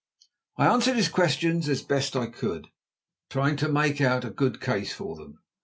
I answered his questions as best I could, trying to make out a good case for them.